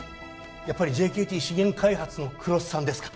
やっぱりＪＫＴ資源開発の黒須さんですか？